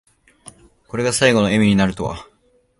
これが最期の笑みになるとは。